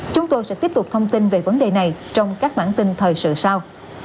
chúng tôi sẽ tiếp tục thông tin về vấn đề này trong các bản tin thời sự sau